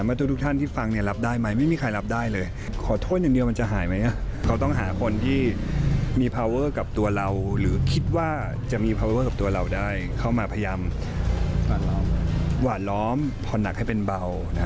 ไปฟังสัมภาษณ์จากพี่พีททองเจอกันเลยคะ